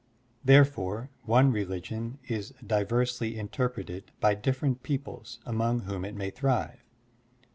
Therefore, one religion is diversely interpreted by different peoples among whom it may thrive.